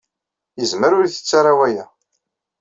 Yezmer ur yettett ara waya.